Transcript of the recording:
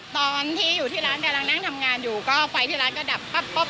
ตอนที่อยู่ที่ร้านกำลังนั่งทำงานอยู่ก็ไฟที่ร้านก็ดับปั๊บ